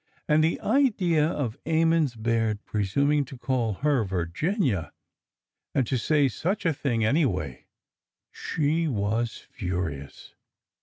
And the idea of Emmons Baird presuming to call her Virginia/' and to say such a thing, anyway ! She was furious.